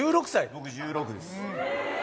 僕、１６です。